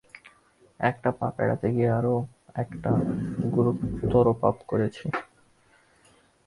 একটা পাপ এড়াতে গিয়ে, আর একটা গুরুতর পাপ করছি।